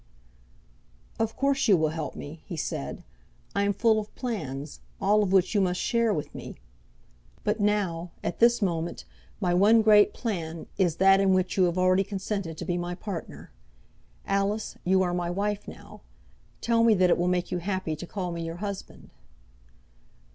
"Of course you will help me," he said. "I am full of plans, all of which you must share with me. But now, at this moment, my one great plan is that in which you have already consented to be my partner. Alice, you are my wife now. Tell me that it will make you happy to call me your husband."